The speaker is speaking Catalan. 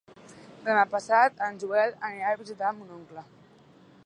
Demà passat en Joel anirà a visitar mon oncle.